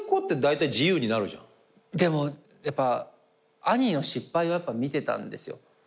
でもやっぱ兄の失敗を見てたんですよ。